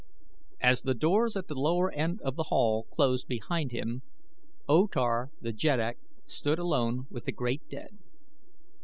As the doors at the lower end of the Hall closed behind him O Tar the Jeddak stood alone with the great dead.